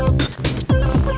wah keren banget